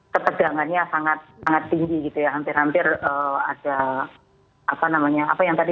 ketegangannya sangat sangat tinggi gitu ya hampir hampir ada apa namanya apa yang tadi